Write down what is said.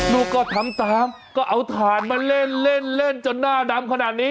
ลูกก็ทำตามก็เอาถ่านมาเล่นเล่นจนหน้าดำขนาดนี้